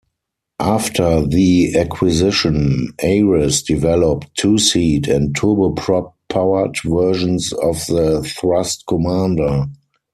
After the acquisition, Ayres developed two-seat and turboprop-powered versions of the Thrust Commander.